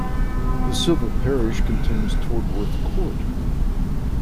The civil parish contains Tortworth Court.